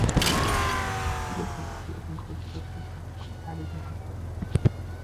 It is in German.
Viele profitierten kurzfristig von ihrer Beteiligung am Film.